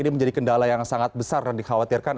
ini menjadi kendala yang sangat besar dan dikhawatirkan